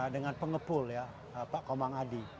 dengan pengepul ya pak komang adi